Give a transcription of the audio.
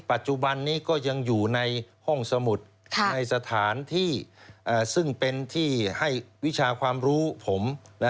ปัจจุบันนี้ก็ยังอยู่ในห้องสมุดในสถานที่ซึ่งเป็นที่ให้วิชาความรู้ผม